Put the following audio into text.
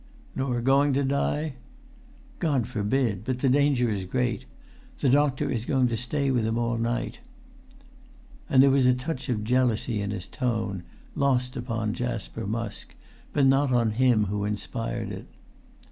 "Nor going to die?" "God forbid! But the danger is great. The doctor is going to stay with him all night." And there was a touch of jealousy in his tone, lost upon Jasper Musk, but not on him who inspired it.